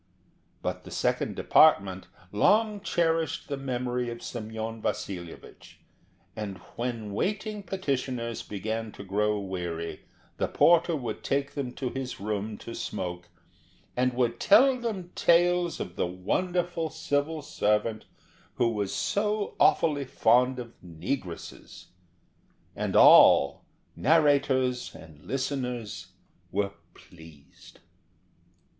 But the Second Department long cherished the memory of Semyon Vasilyevich, and when the waiting petitioners began to grow weary, the porter would take them to his room to smoke, and would tell them tales of the wonderful civil servant who was so awfully fond of negresses. And all, narrator and listeners, were pleased.